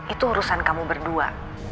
itu urusan kamu berdua